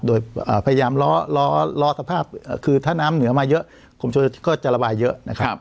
โดยพยายามล้อสภาพคือถ้าน้ำเหนือมาเยอะกลุ่มชนก็จะระบายเยอะนะครับ